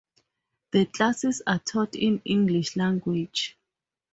The classes are taught in English language.